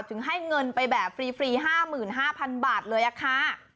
ถึงให้เงินไปแบบฟรี๕๕๐๐๐บาทเลยอะค่ะ